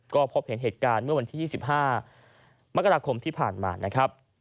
ก็พบเห็นเหตุการณ์เมื่อวันที่๒๕มกราคมที่ผ่านมานะครับ